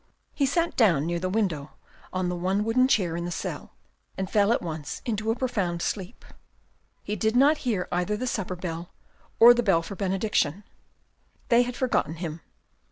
He sat down near the window on the one wooden chair in the cell, and fell at once into a profound sleep. He did not hear either the supper bell or the bell for benediction. They had forgotten him.